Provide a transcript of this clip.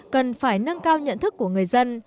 cần phải nâng cao nhận thức của người dân